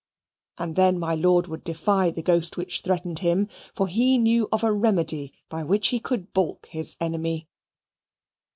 And then my lord would defy the ghost which threatened him, for he knew of a remedy by which he could baulk his enemy.